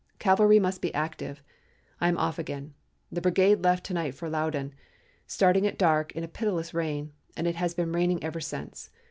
Cavalry must be active. I am off again. The brigade left to night for Loudon, starting at dark in a pitiless rain, and it has been raining ever since.